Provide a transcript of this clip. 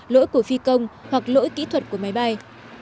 lỗi của phi công hoặc lỗi kỹ thuật của máy bay